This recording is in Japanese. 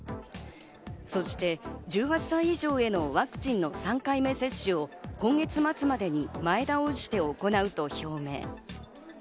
そして１８歳以上へのワクチンの３回目接種を今月末までに前倒して行うと表明。